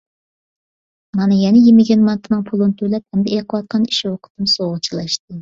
مانا يەنە يېمىگەن مانتىنىڭ پۇلىنى تۆلەپ، ئەمدى ئېقىۋاتقان ئىش-ئوقىتىم سۇغا چىلاشتى.